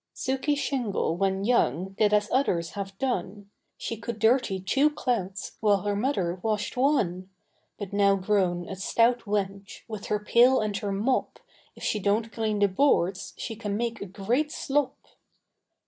Suke Shingle when young, Did as others have done, She could dirty two clouts, While her mother washâd one. But now grown a stout wench, With her pail and her mop, If she donât clean the boards, She can make a great slop.